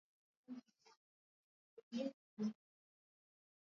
kuhusu kuteswa kwa wafungwa nchini Uganda